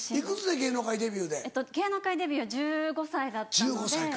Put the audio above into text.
芸能界デビューは１５歳だったので。